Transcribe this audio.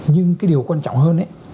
nhưng cái điều quan trọng hơn ấy